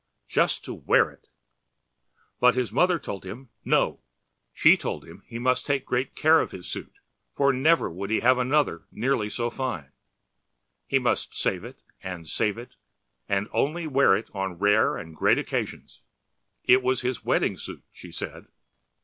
Just to wear it! But his mother told him, ‚ÄúNo.‚ÄĚ She told him he must take great care of his suit, for never would he have another nearly so fine; he must save it and save it and only wear it on rare and great occasions. It was his wedding suit, she said.